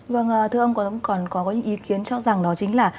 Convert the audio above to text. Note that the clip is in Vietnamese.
vâng thưa ông còn có những ý kiến cho rằng đó chính là